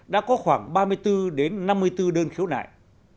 đã có khoảng ba mươi bốn đến năm mươi bốn đơn khiếu nại